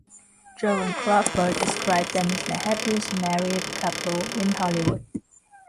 Joan Crawford described them as the happiest married couple in Hollywood.